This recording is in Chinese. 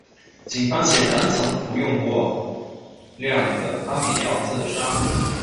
警方显然曾服用过量的安眠药自杀。